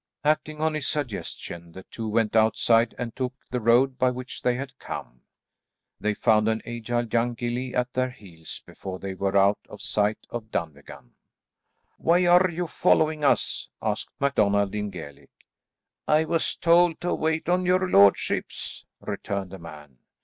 Acting on this suggestion, the two went outside and took the road by which they had come. They found an agile young gillie at their heels before they were out of sight of Dunvegan. "Why are you following us?" asked MacDonald, in Gaelic. "I was told to wait on your lordships," returned the man.